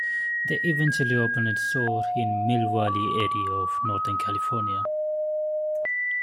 They eventually opened a store in the Mill Valley area of Northern California.